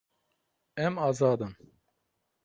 Em azad in.